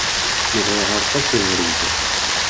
Neɣ iɛereq-ak ubrid!